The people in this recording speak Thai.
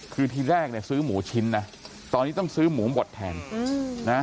คือทีแรกเนี่ยซื้อหมูชิ้นนะตอนนี้ต้องซื้อหมูบดแทนนะ